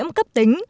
cúm cấp tính